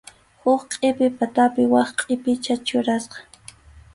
Huk qʼipi patapi wak qʼipicha churasqa.